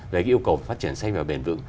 về cái yêu cầu phát triển xanh và bền vững